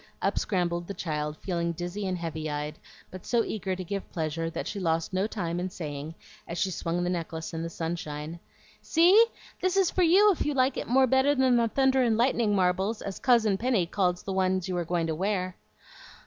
Up scrambled the child, feeling dizzy and heavy eyed, but so eager to give pleasure that she lost no time in saying, as she swung the necklace in the sunshine, "See! this is for you, if you like it more better than the thunder and lightning marbles, as Cousin Penny calls the one you were going to wear."